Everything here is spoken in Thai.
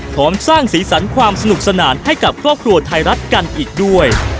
พร้อมสร้างสีสันความสนุกสนานให้กับครอบครัวไทยรัฐกันอีกด้วย